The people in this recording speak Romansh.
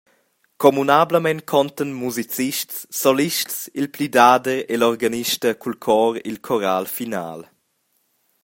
Communablamein contan musicists, solists, il plidader e l’organista cul chor il choral final.